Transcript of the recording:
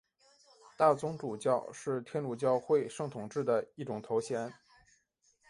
大总主教是天主教会圣统制的一种头衔。